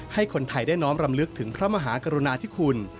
ให้คนไทยได้น้อมรำลึกถึงพระมหากรุณาธิคุณ